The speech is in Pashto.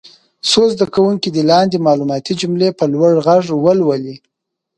څو زده کوونکي دې لاندې معلوماتي جملې په لوړ غږ ولولي.